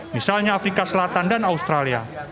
misalnya afrika selatan dan australia